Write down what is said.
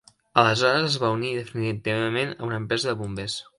Aleshores es va unir definitivament a una empresa de bombers.